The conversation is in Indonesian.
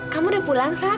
kamu udah pulang sat